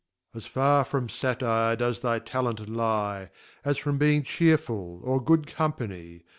As As far from Satyr, does thy Talent lye, As from being cheerful, or good company.